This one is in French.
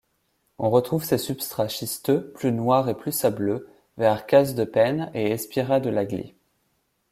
On retrouve ces substrats schisteux, plus noirs et plus sableux, vers Cases-de-Pène et Espira-de-l'Agly.